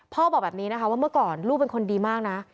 บอกแบบนี้นะคะว่าเมื่อก่อนลูกเป็นคนดีมากนะ